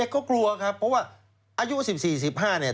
ก็กลัวครับเพราะว่าอายุ๑๔๑๕เนี่ย